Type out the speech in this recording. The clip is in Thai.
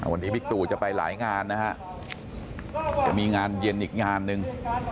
วันนี้บิ๊กตู่จะไปหลายงานนะฮะจะมีงานเย็นอีกงานหนึ่ง